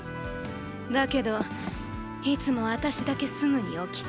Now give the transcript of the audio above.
だけどいつもあたしだけすぐに起きた。